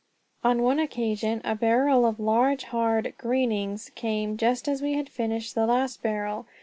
On one occasion a barrel of large, hard "Greenings" came just as we had finished the last barrel.